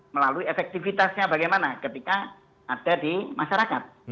melalui efektivitasnya bagaimana ketika ada di masyarakat